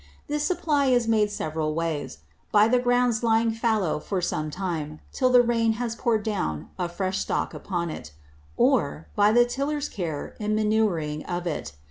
This Supply is made several ways: By the Grounds lying fallow for some time, till the Rain has pour'd down a fresh Stock upon it: Or, by the Tiller's Care in manuring of it.